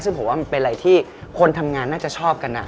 ซึ่งผมว่ามันเป็นอะไรที่คนทำงานน่าจะชอบกัน